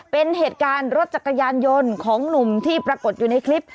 เป็นเหตุการณ์รถจักรยานยนต์ของหนุ่มที่ปรากฏอยู่ในคลิป